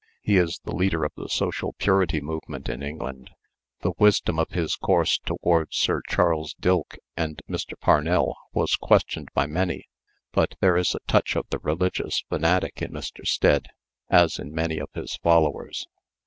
He is the leader of the social purity movement in England. The wisdom of his course toward Sir Charles Dilke and Mr. Parnell was questioned by many; but there is a touch of the religious fanatic in Mr. Stead, as in many of his followers.